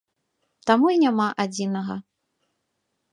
Таму і няма адзінага.